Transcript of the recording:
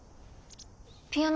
ピアノ